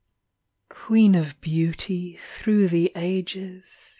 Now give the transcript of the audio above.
Queen of beauty, through all ages.